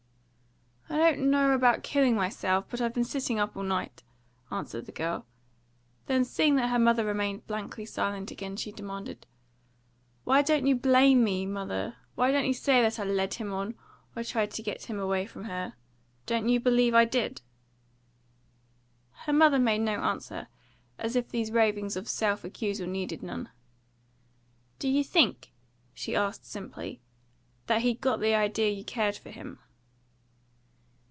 "I don't know about killing myself, but I've been sitting up all night," answered the girl. Then, seeing that her mother remained blankly silent again, she demanded, "Why don't you blame me, mother? Why don't you say that I led him on, and tried to get him away from her? Don't you believe I did?" Her mother made her no answer, as if these ravings of self accusal needed none. "Do you think," she asked simply, "that he got the idea you cared for him?"